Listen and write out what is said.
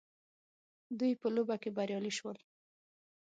دوی په لوبه کي بريالي سول